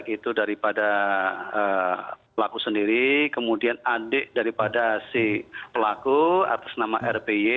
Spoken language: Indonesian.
itu daripada pelaku sendiri kemudian adik daripada si pelaku atas nama r p y